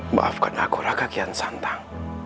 maafkan aku raka kian santan